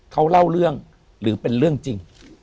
เขาเล่าเรื่องหรือเป็นเรื่องจริง